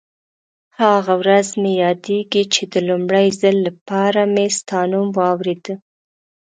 هغه ورځ مې یادېږي چې د لومړي ځل لپاره مې ستا نوم واورېد.